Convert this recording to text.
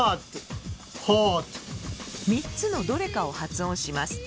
３つのどれかを発音します。